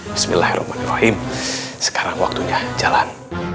bismillahirrahmanirrahim sekarang waktunya jalan